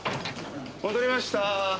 戻りました。